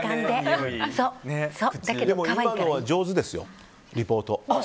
でも、今のは上手ですよリポート。